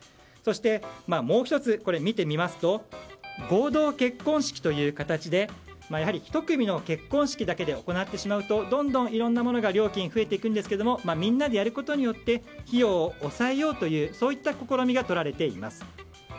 そして、もう１つ見てみますと合同結婚式という形でやはり１組の結婚式だけで行ってしまうとどんどんいろんな料金が増えていくんですがみんなでやることによって費用を抑えようといったそういった試みがとられています。